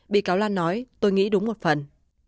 bị cáo lan nói tôi nghĩ đúng một phần